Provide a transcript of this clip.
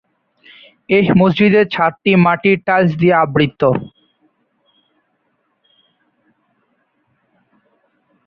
এই মসজিদের ছাদটি মাটির টাইলস দিয়ে আবৃত।